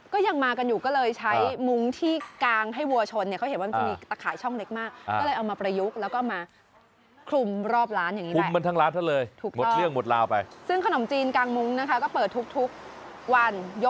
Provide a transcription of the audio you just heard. ก็ยังมากันอยู่ก็เลยใช้มุ้งที่กางให้วัวชนเนี่ย